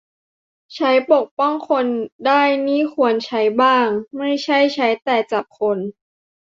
ใช้ปกป้องคนได้นี่ควรใช้บ้าง ไม่ใช่ใช้แต่จับคน